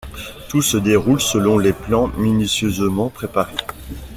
Tout se déroule selon les plans minutieusement préparés.